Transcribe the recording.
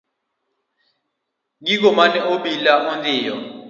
Gigo mane obila ondhiyo.